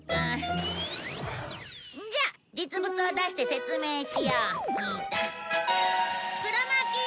じゃあ実物を出して説明しよう。